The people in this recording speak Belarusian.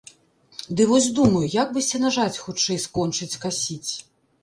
Ды вось думаю, як бы сенажаць хутчэй скончыць касіць.